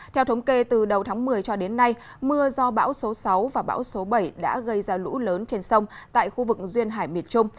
theo thống kê từ đầu tháng một mươi cho đến nay mưa do bão số sáu và bão số bảy đã gây ra lũ lớn trên sông tại khu vực duyên hải miệt trung